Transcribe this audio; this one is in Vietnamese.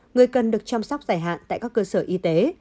người cần được chăm sóc dài hạn tại các cơ sở y tế